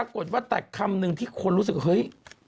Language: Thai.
ปรากฏว่าแต่คำหนึ่งที่คนรู้สึกเฮ้ย